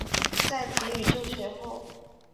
在子女就学后